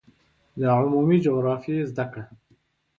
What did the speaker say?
د عمومي جغرافیې زده کړه